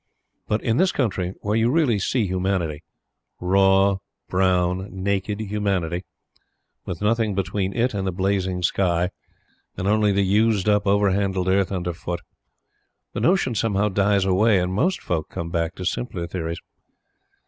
But in this country, where you really see humanity raw, brown, naked humanity with nothing between it and the blazing sky, and only the used up, over handled earth underfoot, the notion somehow dies away, and most folk come back to simpler theories.